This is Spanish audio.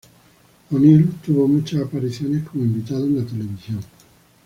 O’Neal tuvo muchas apariciones como invitado en la televisión.